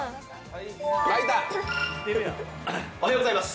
おはようございます。